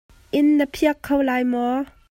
Inn na phiak kho lai maw?